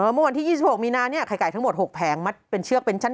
เมื่อวันที่๒๖มีนาเนี่ยไข่ไก่ทั้งหมด๖แผงมัดเป็นเชือกเป็นชั้น